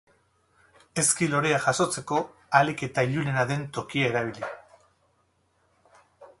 Ezki lorea jasotzeko ahalik eta ilunena den tokia erabili.